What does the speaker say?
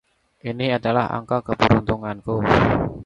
Ini adalah angka keberuntunganku.